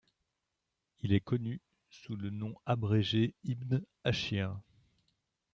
Il est connu sous le nom abrégé Ibn 'Âshir.